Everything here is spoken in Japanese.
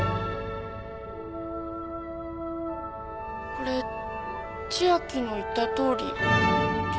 これ「千秋の言ったとおり」ですか？